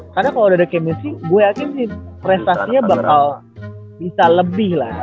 karena kalo ada chemistry gua yakin sih prestasinya bakal bisa lebih lah